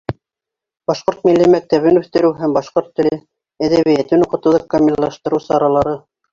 Башҡорт милли мәктәбен үҫтереү һәм башҡорт теле, әҙәбиәтен уҡытыуҙы камиллаштырыу саралары